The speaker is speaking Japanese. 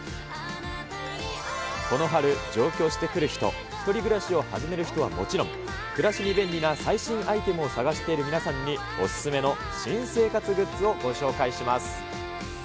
この春、上京してくる人、１人暮らしを始める人はもちろん、暮らしに便利な最新アイテムを探している皆さんに、お勧めの新生活グッズをご紹介します。